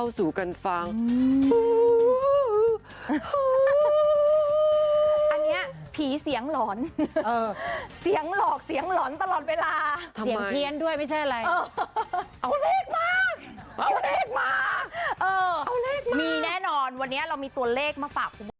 อันเนี้ยผีเสียงหลอนเออเสียงหลอกเสียงหลอนตลอดเวลาสูงเหี้ยนด้วยไม่ใช่อะไรเอาเลขมาเอาเลขวันนี้เรามีตัวเลขมาฝาก